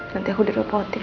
nanti aku direpotin